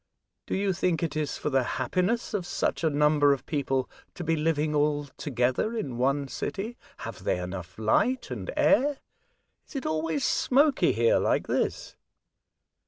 " Do you think it is for the happiness of such a number of people to be living alto gether in one city ? Have they enough light and air ? Is it always smoky here like this